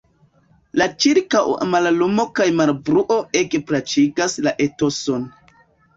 La ĉirkaŭa mallumo kaj malbruo ege plaĉigas la etoson.